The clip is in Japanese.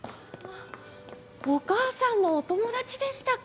お母さんのお友達でしたか。